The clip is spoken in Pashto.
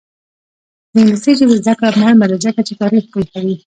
د انګلیسي ژبې زده کړه مهمه ده ځکه چې تاریخ پوهوي.